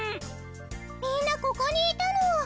みんなここにいたの？